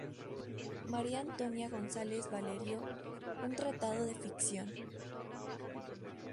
María Antonia González Valerio Un tratado de ficción.